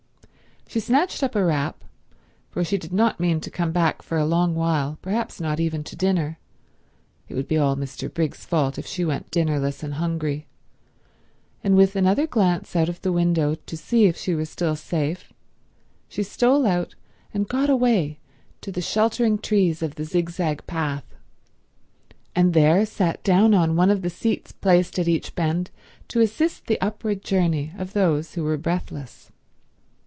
She snatched up a wrap, for she did not mean to come back for a long while, perhaps not even to dinner—it would be all Mr. Briggs's fault if she went dinnerless and hungry—and with another glance out of the window to see if she were still safe, she stole out and got away to the sheltering trees of the zigzag path, and there sat down on one of the seats placed at each bend to assist the upward journey of those who were breathless.